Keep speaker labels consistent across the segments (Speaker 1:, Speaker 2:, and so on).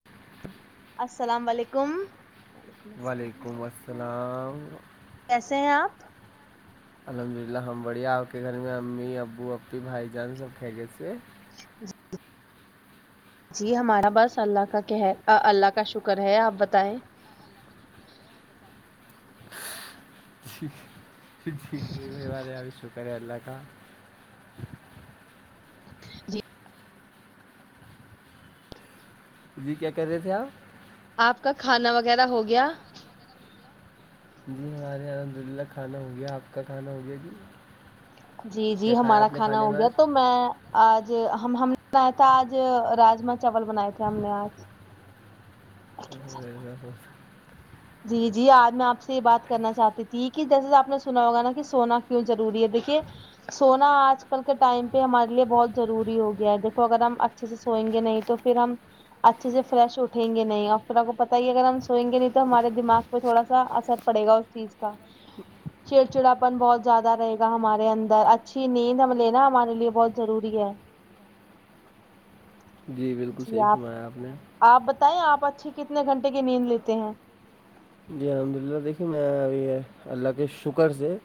Speaker 1: [inaudible]
Speaker 2: السلام علیکم
Speaker 1: و علیکم
Speaker 2: السلام
Speaker 1: السلام
Speaker 2: کیسے ہیں آپ
Speaker 1: الحمد اللہ ہم بڑھیا آپ کے گھر میں امی ابو آپ کے بھائی جان سب خیریت سے ہے
Speaker 2: جی ہمارا باس اللہ کا کہہ اللہ کا شکر ہے آپ بتائیں
Speaker 1: چہ چہ شکر ہے ہمارے اللہ کا جی کیا کر رہے تھے آپ
Speaker 2: آپ کا کھانا وغیرہ ہو گیا
Speaker 1: جی ہمارے یہاں الحمد اللہ کھانا ہو گیا آپ کا کھانا ہو گیا جی
Speaker 2: جی جی
Speaker 1: کیا کھایا
Speaker 2: ہمارا
Speaker 1: آپ نے
Speaker 2: کھانا
Speaker 1: کھانے
Speaker 2: ہو گیا
Speaker 1: آج
Speaker 2: تو میں آج ہم ہم نے بنایا تھا آج راجما چاول بنایا تھا ہم نے آج
Speaker 1: [unintelligible] [unintelligible]
Speaker 2: جی جی آج میں آپ سے یہ بات کرنا چاہتی تھی کہ جیسےہی آپ نے سنا ہوگا نا کہ سونا کیوں ضروری ہے دیکھیے سونا آج کل کے ٹائم پہ ہمارے لیے بہت ضروری ہو گیا ہے دیکھو اگر ہم اچھے سے سوئیں گے نہیں تو پھر ہم اچھے سے فرش اٹھیں گے نہیں اور پھر آپ کو پتہ ہی ہے اگر ہم سوئیں گے نہیں تو ہمارے دماغ پہ تھوڑا سا اثر پڑے گا اس چیز کا چڑ چڑاپن بہت زیادہ رہیگا ہمارے اندر اچھی نیند ہم لینا ہمارے لیے بہت ضروری ہے
Speaker 1: جی بالکل صحیح فرمایا آپ نے
Speaker 2: آپ بتائیں آپ اچھے کتنے گھنٹے کی نیند لیتے ہیں
Speaker 1: جی الحمد اللہ دیکھیے میں ابھی اللہ کے شکر سے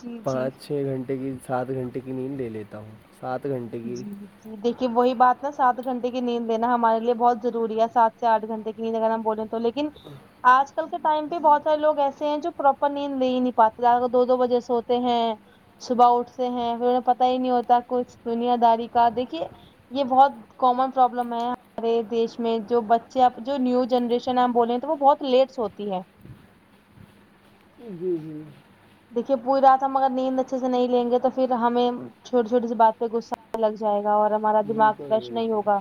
Speaker 2: جی جی
Speaker 1: پانچ چھ گھنٹے کی سات گھنٹے کی نیند لے لیتا ہوں سات گھنٹے کی
Speaker 2: جییکے وہی بات نا سات گھنٹے کی نیند لینا ہمارے لیے بہت ضروری ہے سات سے آٹھ گھنٹے [unintelligible] ہم بولے تو لیکن آج کل کے ٹائم پہ بہت سارے لوگ ایسے ہیں جو پراپر نیند لے ہی نہیں پاتے دو دو بجے سےو ہوتے ہیں صبح اٹھتے ہیں پھر انہیں پت ہی نہیں ہوتا کچھ دنیاداری کا دیکھیے یہ بہت کامن پرابلم ہے ہمارے دیش میں جو بچے اب جو نیو جنریشن ہے ہم بولے ہیں تو وہ بہت لیٹس ہوتی ہے
Speaker 1: جی جی
Speaker 2: دیکھیے پوری رات ہم اگر نیند اچھے سے نہیں لیں گے تو پھر ہمیں چھوٹی چھوٹی سی بات پہ غصہ آنے لگ جائے گا اور ہمارا دماغ
Speaker 1: بالکل
Speaker 2: فریش نہیں
Speaker 1: بالکل
Speaker 2: ہوگا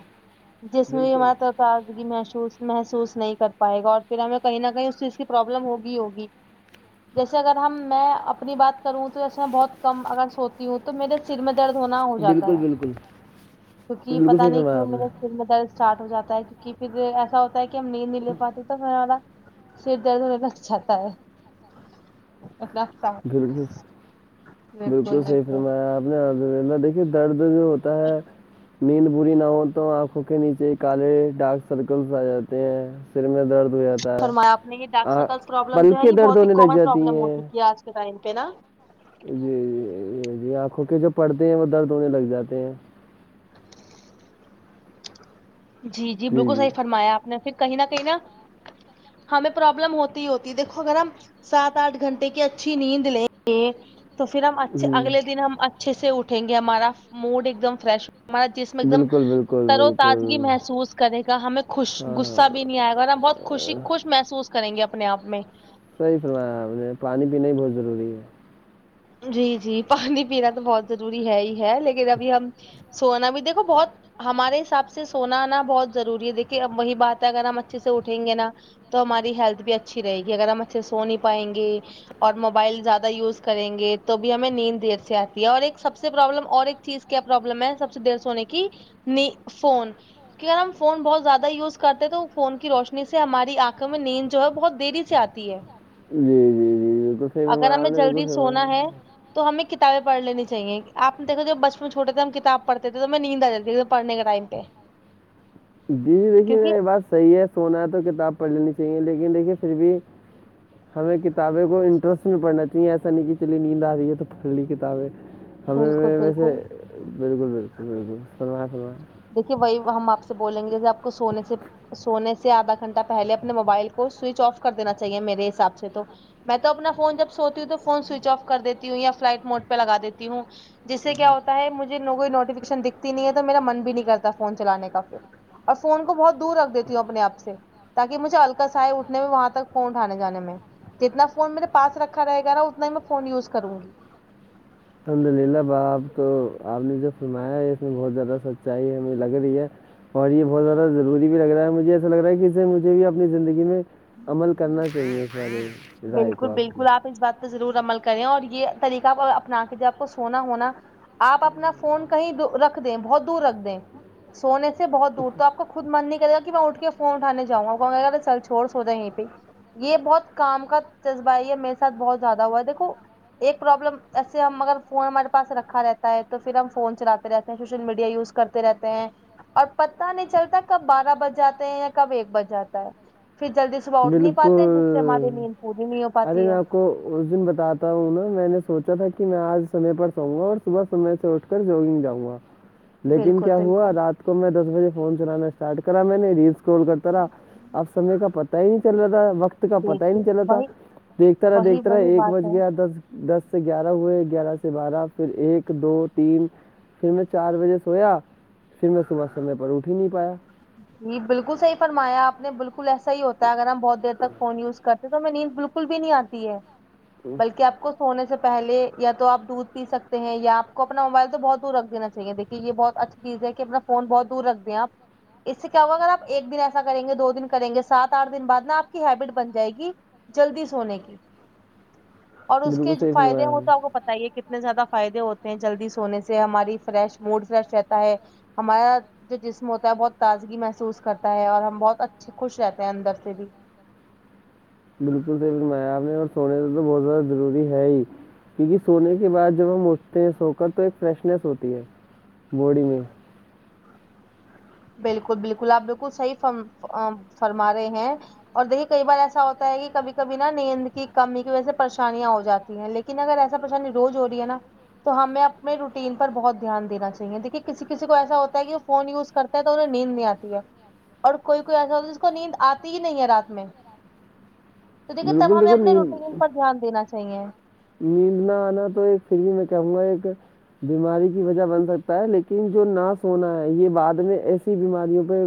Speaker 2: جس میں بھی
Speaker 1: بالکل
Speaker 2: تب تازگی محسوس محسوس نہیں کر پائے گا اور پھر ہمیں کہیں نہ کہیں اس چیز کی پروابلم ہوگی ہوگی جیسے اگر ہم میں اپنی بات کروں تو ایسے میں بہت کم اگر سوتی ہوں تو تو میرے سر میں درد ہونا ہو جاتا
Speaker 1: بالکل
Speaker 2: ہے
Speaker 1: بالکل
Speaker 2: کیونکہ
Speaker 1: بالکل
Speaker 2: پتا
Speaker 1: صحیح
Speaker 2: نہیں
Speaker 1: فرمایا
Speaker 2: کیوں
Speaker 1: آپ نے
Speaker 2: میرے سر میں درد اسٹارٹ ہو جاتا ہے کیونکہ پھر ایسا ہوتا ہے کہ ہم نہیں نہیں لے پاتے تو ہمارا سر درد ہونے رچھاتا ہے [unintelligible]
Speaker 1: بالکل بالکل صحیح فرمایا آپ [unintelligible] دیکھیے درد جو ہوتا ہے نیند بوری نہ ہو تو آنکھوں کے نیچے کالے ڈارک سرکلس آ جاتے ہیں سر میں درد ہویا تھا
Speaker 2: سر میںپ نے یہ ڈاک سکلس پرابلم جو ہے یہ
Speaker 1: درد
Speaker 2: بہت ہی
Speaker 1: ہونے لگ
Speaker 2: کامن
Speaker 1: جاتی
Speaker 2: پرابلم ہو
Speaker 1: ہیں
Speaker 2: چکی ہے آج کے ٹائم پہ نا
Speaker 1: جی جی جی آنکھوں کے جو پڑتے ہیں وہ درد ہونے لگ جاتے ہیں
Speaker 2: جی جی بالکل صحیح فرمایا آپ نے پھر کہیں نہ کہیں نہا ہمیں پروابلم ہوتی ہی ہوتی ہے دیکھو اگر ہم سات آٹھ گھنٹے کی اچھی نیند لیں گے تو پھر ہم اچھے
Speaker 1: ہوں
Speaker 2: اگلے دن ہم اچھے سے اٹھیں گے ہمارا موڈ ایک دم فریش ہمارا جسم ایک دم
Speaker 1: بالکل بالکل
Speaker 2: ترو تج
Speaker 1: بالکل
Speaker 2: محسوس کرے گا ہمیں خوش
Speaker 1: ہاں
Speaker 2: غصہ بھی نہیں آئے گا اور ہم بہت خوشی خوش محسوس کریں گے اپنے آپ میں
Speaker 1: صحیح فرمایا اپنے پانی پینا ہی بہت ضروری ہے
Speaker 2: جی جی پانی پینا تو بہت ضروری ہے ہی ہے لیکن ابھی ہم سونا بھی دیکھو بہت ہمارے حساب سے سونا آنا بہت ضروری ہے دیکھیے اب وہی بات ہے اگر ہم اچھے سے اٹھیں گے نا تو ہماری ہیلتھ بھی اچھی رہے گی اگر ہم اچھے سو نہیں پائیں گے اور موبائل زیادہ یوز کریں گے تو بھی ہمیں نیند دیر سے آتی ہے اور ایک سب سے پرابلم اور ایک چیز کیا پرابلم ہے سب سے دیر سے ہونے کی نہیں فون اگر ہم فون بہت زیادہ یوز کرتے تو فون کی روشنی سے ہماری آنکھوں میں نیند جو ہے بہت دری جاہتی ہے
Speaker 1: جی جی
Speaker 2: اگر
Speaker 1: جی
Speaker 2: ہمیں جلدی
Speaker 1: [unintelligible]
Speaker 2: سونا ہے تو ہمیں کتابیں پڑھ لینی چاہیے آپ دھو جب بچپن چھوٹ تھ ہم کتاب پڑھتے تھے تو ہمیں نیند آ جاتی پڑھنے کے ٹائم پہ
Speaker 1: جی جی دیکھیے
Speaker 2: کیونکہ
Speaker 1: یہ بات صحیح ہے سونا ہے تو کتاب پڑھ لینی چاہیے لیکن دیکھیے پھر بھی ہمیں کتابیں کو انٹرسٹ میں پڑھنا چاہیے ایسا نہیں کہ چلیے نیند آ رہی ہے تو پھڑ لی کتابیں ہمیں
Speaker 2: بالکل
Speaker 1: و یسے
Speaker 2: بالکل
Speaker 1: بالکل بالکل بالکل سنما سوا
Speaker 2: دیکھیے وہی ہم آپ سے بولیں گے جیسے آپ کو سونے سے سونے سے آدھا گھنٹہ پہلے اپنے موبائل کو سوئچ آف کر دینا چاہیے میرے حساب سے تو میں تو اپنا فون جب سوتی ہوں تو فون سوئچ آف کر دیتی ہوں یا فلائٹ موڈ پہ لگا دیتی ہوں جس سے کیا ہوتا ہے مجھے کوئی نوٹیفکیشن دکھتی نہیں ہے تو میرا من بھی نہیں کرتا فون چلانے کا پھر اور فون کو بہت دور رکھ دیتی ہوں اپنے آپ سے تاکہ مجھے الکاس آے اٹھنے میں وہاں تک فون اٹھانے جانے میں جتنا فون میرے پاس رکھا رہے گا نا اتنا ہی میں فون یوز کروں گی
Speaker 1: الحمد اللہ با آپ تو آپ نے جو فرمایا ہے اس میں بہت زیادہ سچائی ہے ہمیں لگ رہی ہے اور یہ بہت زیادہ ضروری بھی لگ رہا ہے مجھے ایسا لگ رہا ہے کہ اس سے مجھے بھی اپنی زندگی میں عمل کرنا چاہیے سارے راے
Speaker 2: بالکل
Speaker 1: کو آپ کو
Speaker 2: بالکل اس بات ضرور عمل کریں اور یہ طریقہ اپنا کے جب آپ کو سونا ہونا آپ اپنا فون کہیں رکھ دیں بہت دور رکھ دیں سونے سے بہت دور توآپ کو خود من نہیں کرے گا کہ میں اٹھ کے فون اٹھانے جاؤ گا سرچ سورس ہوتے یہ پہ یہ بہت کام کا جذبہ یہ ہے میرے ساتھ بہت زیادہ ہوا ہے دیکھو ایک پرابلم ایسے ہم اگر فون ہمارے پاس رکھا رہتا ہے تو پھر ہم فون چلاتے رہتے ہیں سوشل میڈیا یوز کرتے رہتے ہیں اور پتا نہیں چلتا کب بارہ بج جاتے ہیں یا کب ایک بج جاتا ہے پھر جلدی صبح اٹھ نہیں پاتے جس سے ہماری
Speaker 1: بالکل
Speaker 2: نیند پوری نہیں ہو
Speaker 1: ارے
Speaker 2: پاتی
Speaker 1: میں
Speaker 2: ہے
Speaker 1: آپ اس دن بتا تا ہوں انہوں میں نے سوچا تھا کہ میں آج سمے پر سوؤوں گا اور صبح سے اٹھ کر کل جوگن جاؤ گا لیکن
Speaker 2: بالکل
Speaker 1: کیا ہوا
Speaker 2: بالکل
Speaker 1: رات کو میں دس بجے فون چلانا اسٹارٹ کرا میں نے ریسکرال کرتا رہا اب سمے کا پتا پتا ہی نہیں چل رہا تھا وقت کا پتا ہی
Speaker 2: دیکھیے
Speaker 1: نہیں چلا تھا
Speaker 2: وہی
Speaker 1: دیکھتا رہا
Speaker 2: وہی
Speaker 1: دیکھتا رہا
Speaker 2: وہی
Speaker 1: ایک
Speaker 2: بات
Speaker 1: بج
Speaker 2: ہے
Speaker 1: گیا دس دس سے گیارہ ہوئے گیارہ سے بارہ پھر ایک دو تین پھر میں چار بجے سویا پھر میں صبح سمے پر اٹھ ہی نہیں پایا
Speaker 2: ہی جی بالکل صحیح فرمایا آپ نے بالکل ایسا ہی ہوتا ہے اگر ہم بہت دیر تک فون یوزکرتے تو میں نیند بالکل بالکل بھی نہیں آتی ہے بلکہ آپ کو سونے سے پہے یا توآپ دودھ پی سکتے ہیں یا آپ کو اپنا موبائل تو بہت دور رکھ دینا چاہیے دیکے یہ بہت اچھا چیزیں کہ اپنا فون بہت دور رکھتے آپ اس سے کیا ہوگا اگر آپ ایک دن ایسا کریں گے دو دن کریں گے سات آٹھ دن بعد نا آپ کی ہیبٹ بن جائے گی جلدی سونے کی اور اس کے
Speaker 1: بالکل
Speaker 2: جو
Speaker 1: صحیح
Speaker 2: فائدے
Speaker 1: فرمایا آپ نے
Speaker 2: ہوتا بتائیے کتنے اتنے زیادہ فائدے ہوتے ہیں جلدی سونے سے ہماری فریش موڈ فریش رہتا ہے ہمارا جو جسم بہت تازگی محسوس کرتا ہے اور ہم بہت اچھے خوش رہتے ہیں اندر سے بھی
Speaker 1: بالکل صحیح فرمایا آپ نے اور سونے تو تو بہت زیادہ ضروری ہیں ہی کیونکہ سونے کے بعد جب ہم اٹھتے ہیں سو کر تو ایک فریشنیس ہوتی ہے باڈی میں
Speaker 2: بلکل بلکل آپ بلکل صحیح فر فرما رہے ہیں اور دیکھیے کئی بار ایسا ہوتا ہے کہ کبھی کبھی نا نیند کی کمی کی وجہ سے پریشانیاں ہو جاتی ہیں لیکن ک نہ ا ایسا پریشانی روز ہو رہی ہے نا تو ہمیں اپنے روٹین پر بہت دھیان دین چاہیے دیکھیے کسی کسی کو ایسا ہوتا کہ وہ فون یوز کرتا ہے تو انہیں نیند نہیں آتی ہے اور کوئی کوئی ایسا ہوتا جس کو نیند آتی ہی نہیں ہے رات میں تو دیکھیے تب
Speaker 1: بالکل
Speaker 2: ہمیں
Speaker 1: دیکھو
Speaker 2: اپنے
Speaker 1: نیند
Speaker 2: روٹین پر دھیان دینا چاہیے
Speaker 1: نیند نہ آنا تو ایک فر بھی میں کہوں گا ایک بیماری کی وجہ بن سکتا ہے لیکن جو نا سونا ہے یہ بعد میں ایسی بیماریوں پہ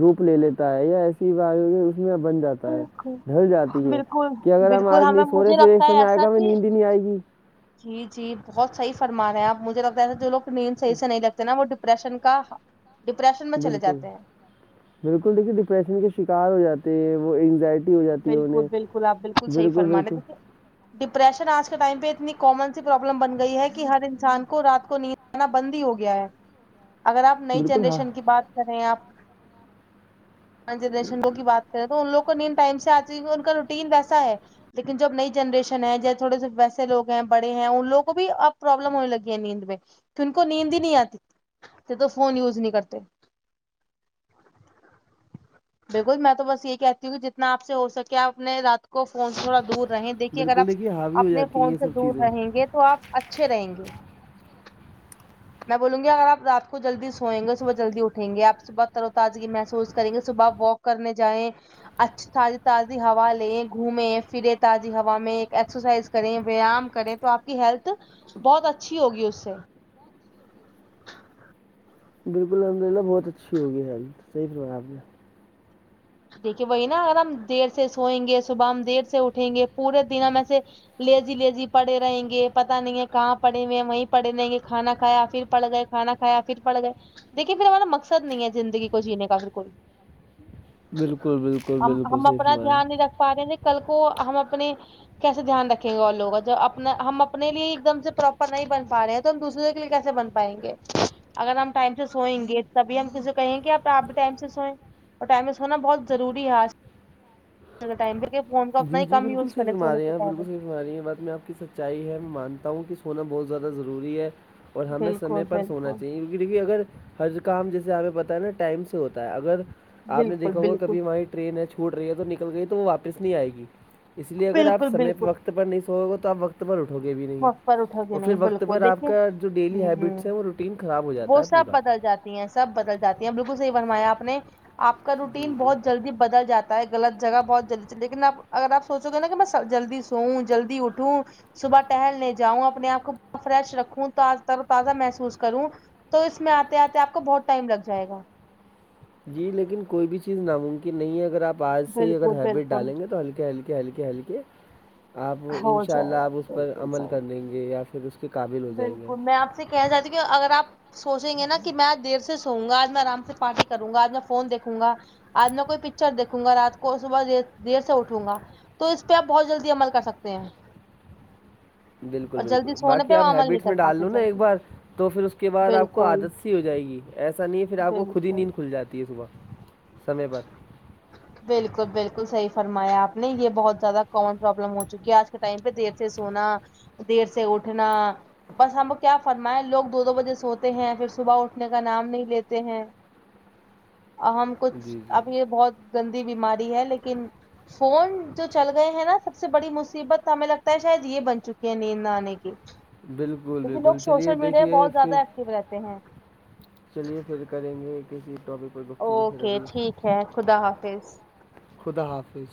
Speaker 1: روپ لے لیتا ہے یا ایسی بات ہو ہے اس میں بن جاتا ہے
Speaker 2: بالکل
Speaker 1: ڈھل جاتا ہے
Speaker 2: بالکل
Speaker 1: کہ اگر ہم
Speaker 2: بالکل
Speaker 1: آج نہیں
Speaker 2: ہمیں
Speaker 1: سونے
Speaker 2: مجھے
Speaker 1: پھر ایک
Speaker 2: لگتا ہے
Speaker 1: سمے آئے
Speaker 2: ایسا
Speaker 1: گا ہم
Speaker 2: کہ
Speaker 1: نیند ہی نہیں آئے گی
Speaker 2: جی جی بہت صحیح فرمارہے آپ مجھے لگتا ہے ایسا جو لوگ نیند صحیح سے نہیں لتے نا وہ ڈپرشن کا ڈپریشن میں چلے
Speaker 1: بلکل
Speaker 2: جاتے ہیں
Speaker 1: بلکل دیکھیے ڈپریشن کے شکار ہو جاتے ہیں وہ انینگزائٹی
Speaker 2: بلکل بلکل آپ بلکل صحیح فرمارہے
Speaker 1: بالکل
Speaker 2: دیکھیے ڈپریشن آج کے ٹائم پہ اتنی کامن سی پروابلم بن گئی ہے کہ ہر انسان کو رات کو نیند کانا بند ہی ہو گیا ہے اگر آپ نئی
Speaker 1: بالکل ہاں
Speaker 2: جنریشن کی بات کر رہیں ہیں آپ پانچ جنریشن لو کی بات کریں تو ان لوگ کو نیند ٹائم سے آتی ان کا روٹین ویسا ہے لیکن جو اب نئی جنریشن ہے جو تھوڑے سے ویسے لوگ ہیں بڑے ہیں ان لوگوں کو بھی اب پروابلم ہونے لگی ہے نیند میں ان کو نیند ہی نہیں آتی تو فون یوز نہیں کرتے بالکل میں تو بس یہی کہتی ہوں کہ جتنا آپ سے ہو سکے آپ اپنے رات کو فون سے تھوڑا دور رہے دیکھیے اگر
Speaker 1: بالکل
Speaker 2: آپ
Speaker 1: حاوی ہو
Speaker 2: اپنے
Speaker 1: جاتی ہیں
Speaker 2: فون
Speaker 1: یہ
Speaker 2: سے
Speaker 1: سب
Speaker 2: دور
Speaker 1: چیزیں
Speaker 2: رہیں گے تو آپ اچھے رہیں گے میں بولوں گی اگر آپ رات کو جلدی سوئیں گے صبح جلدی اٹھیں گےآپ صبح تر و تازی محسوس کریں گے صبح واک کرنے جائیں اچھا تازی تازی ہوا لیں گھومیے پھرے تازی ہوا میں ایک ایکسرسائز کریں ویام کریں تو آپ ہیلتھ بہت اچھی ہوگی اس سے
Speaker 1: بالکل الحمد للہ بہت اچھی ہوگی ہیلت صحیح رہا آپ نے
Speaker 2: دیکھیے وہی نا اگر ہم دیر سے سوئیں گے صبح ہم دیر سے اٹھیں گے پورے دن ہم میں سے لی جی لی جی پڑے رہیں گے پتا نہیں کہاں پڑیں ہوئے وہیں پڑے رہیں گے کھانا کھایا پھر پڑ گئے کھانا کھایا پھر پڑ گئے دیکھیے پھر ہمارا مقصد نہیں ہے زندگی کو جینے کا پھر کوئی
Speaker 1: بالکل بالکل
Speaker 2: ہم
Speaker 1: بالکل
Speaker 2: ہم
Speaker 1: صحیح
Speaker 2: اپنا
Speaker 1: فرمایا
Speaker 2: دھیان نہیں رکھ پا رہے کل کو ہم اپنے کیسے دھیان رکھیں گے وہ لوگ کا جب اپنا ہم اپنے لیے ایک دم سے پراپر نہیں بن پا رہے تو ہم دوسرے کے لیے کیسے بن پائیں گے اگر ہم ٹائم سے سوئیںے تبھی ہم کسی سے کہیں گے کہ آپ آپ بھی ٹائم سے سوئیں اور ٹائم پہ سونا بہت ضروری ہے اج کل کے ٹائم پہ فون کو اپنا ہی کم یوز کریں سونے سے پہلے
Speaker 1: ہماری یہ بات میں آپ کی سچائی ہے مانتا ہوں کہ سونا بہت زیادہ ضروری ہے اور ہمیں
Speaker 2: بالکل
Speaker 1: سمے پر سونا
Speaker 2: بالکل
Speaker 1: چاہیے دیکھیے اگر ہر کام جیسے ہمپیں پتاہ ہے نا ٹائم سے ہوتا ہے اگر آپ نے
Speaker 2: بالکل
Speaker 1: دیکھا ہوا
Speaker 2: بالکل
Speaker 1: کبھی مائٹ ٹرین ہے چھوٹ رہی ہے تو نکل گئی تو وہ واپس نہیں آئے گی اس لیے اگر آپ
Speaker 2: بالکل
Speaker 1: سمے پہ
Speaker 2: بالکل
Speaker 1: وقت بنی سوگے تو وقت [unintelligible] وقت پر اٹھو گے بھی نہیں
Speaker 2: وقت پر اٹھو گے
Speaker 1: اور پھر
Speaker 2: نہیں
Speaker 1: وقت پر
Speaker 2: بالکل
Speaker 1: آپ
Speaker 2: دیکھیے
Speaker 1: کا ڈیلی
Speaker 2: ہوں
Speaker 1: ہیبٹس ہے ٹین خراب ہو
Speaker 2: وہ
Speaker 1: جاتا ہے
Speaker 2: سب
Speaker 1: پورا
Speaker 2: بدل جاتی ہیں سب بدل جاتے ہیں بالکل صحیح فرمایا آ نے آپ کا
Speaker 1: جی،
Speaker 2: روٹین
Speaker 1: جی۔
Speaker 2: بہت جلدی بدل جاتا ہے غلط جگہ بہت جلدی لیکن آپ اگر آپ سوچو گے نا کہ میں جلدی سوؤں جلدی اٹھوں صبح ٹہلنےے جاؤں اپنے آپ کو فریش رکھوں تر و تازہ محسوس کروں تو اس میں آتے آتے آپ کو بہت ٹائم لگ جائے گا
Speaker 1: جی لیکن کوئی بھی چیز ناممکن نہیں ہے اگر آپ بعد سے ہی اگر
Speaker 2: بالکل
Speaker 1: ہیبٹ
Speaker 2: بالکل
Speaker 1: ڈالیں گے تو ہلکے ہلکے ہلکے ہلکے آپ ان
Speaker 2: ہو
Speaker 1: شاء اللہ
Speaker 2: جائے گا
Speaker 1: آپ اس پر
Speaker 2: بالکل
Speaker 1: عمل
Speaker 2: صحیح
Speaker 1: کر لیں گے یا پھر اس کے قابل ہو جائیں گے
Speaker 2: بالکل میں آپ سے کہنا چاہتی ہوں کہ اگر آپ سوچیں گے نا کہ میں آج دیر سے سووں گا آج میں آرام سے پارٹی کروں گا آج میں فون دیکھوں گا آج میں کوئی پکچر دیکھوں گا رات کو صبح دیر سے اٹھوں گا تو اس پہ آپ بہت جلدی عمل کر سکتے ہیں
Speaker 1: بالکل
Speaker 2: اور
Speaker 1: بالکل
Speaker 2: جلدی سونے
Speaker 1: باقی
Speaker 2: پہ وہ
Speaker 1: آپ
Speaker 2: عمل نہیں
Speaker 1: ہیبٹس
Speaker 2: کر
Speaker 1: میں ڈال
Speaker 2: پاتے
Speaker 1: لوں نا ایک
Speaker 2: جلدی
Speaker 1: بار تو پھر اس کے بعد آپ کو
Speaker 2: بالکل
Speaker 1: عادت سی ہو جائے گی ایسا نہیں ہے پھر آپ کو خود ہی
Speaker 2: بالکل
Speaker 1: نیند کھل جاتی ہے صبح سمے پر
Speaker 2: بالکل بالکل صحیح فرمایا آپ نے یہ بہت زیادہ کامن پروابلم ہو چکی ہے آج کے ٹائم پہ دیر سے سونا دیر سے اٹھنا بس ہم کو کیا فرمائے لوگ دو دو بجے سوتے ہیں پھر صبح اٹھنے کا نام نہیں لیتے ہیں ہم کچھ
Speaker 1: جی جی
Speaker 2: اب یہ بہت گندی بیماری ہے لیکن فون جو چل گئے ہیں نا سب سے بڑی مصیبت ہمیں لگتا ہے شاید یہ بن چکی ہے نیند نہ آنے کی
Speaker 1: بالکل
Speaker 2: کیونکہ لوگ
Speaker 1: بالکل چلیے
Speaker 2: سوشل میڈیا پہ
Speaker 1: دیکھیے
Speaker 2: بہت
Speaker 1: پھر
Speaker 2: زیادہ ایکٹو رہتے ہیں
Speaker 1: چلیے پھر کریں گے کسی ٹاپک پر گفتگو پھر
Speaker 2: اوکے
Speaker 1: ابھی
Speaker 2: ٹھیک ہے خدا حافظ
Speaker 1: خدا حافظ